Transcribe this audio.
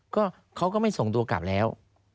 ก็เขาก็ไม่ส่งตัวกลับแล้ว